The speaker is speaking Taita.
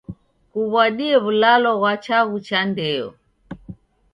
Kuw'ade w'ulalo ghwa chaghu cha ndeyo.